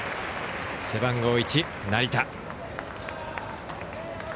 背番号１、成田。